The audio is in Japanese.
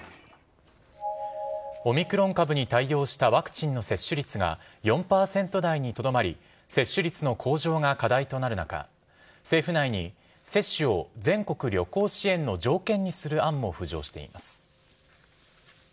オミクロン株に対応したワクチンの接種率が４％台にとどまり、接種率の向上が課題となる中、政府内に接種を全国旅行支援の条件にする案も浮上しています。